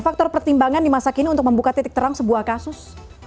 faktor pertimbangan di masa kini untuk membuka titik terang sebuah kasus